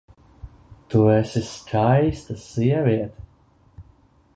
Tu esi Skaista Sieviete!